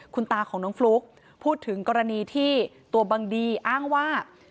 คุณตาของน้องฟลุ๊กพูดถึงกรณีที่ตัวบังดีอ้างว่า